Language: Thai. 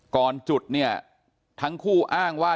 ก่อนจุดเนี่ยทั้งคู่อ้างว่า